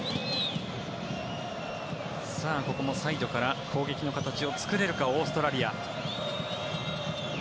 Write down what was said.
ここもサイドから攻撃の形を作れるかオーストラリア。